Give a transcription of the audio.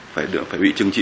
phải bị trừng trị